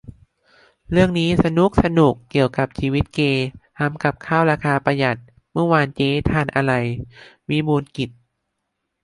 - เรื่องนี้สนุ๊กสนุก เกี่ยวกับชีวิตเกย์ ทำกับข้าวราคาประหยัด "เมื่อวานเจ๊ทานอะไร ?" วิบูลย์กิจ